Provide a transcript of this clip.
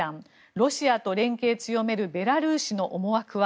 ロシアと連携強めるベラルーシの思惑は。